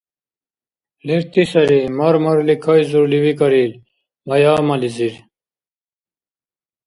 — Лерти сари, — мар-марли кайзурли викӏар ил, — Майамилизир.